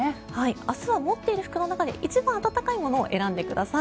明日は持っている服の中で一番暖かいものを選んでください。